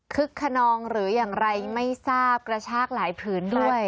คนนองหรืออย่างไรไม่ทราบกระชากหลายผืนด้วย